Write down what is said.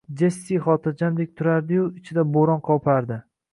Jessi xotirjamdek turardi-yu, ichida bo`ron qo`pardi